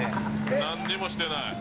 何にもしてない。